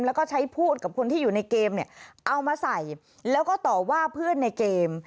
แล้วก็ใช้พูดกับคนที่อยู่ในเกมเนี่ยเอามาใส่แล้วก็ต่อว่าเพื่อนในเกม